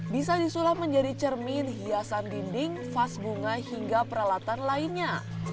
bisa disulap menjadi cermin hiasan dinding vas bunga hingga peralatan lainnya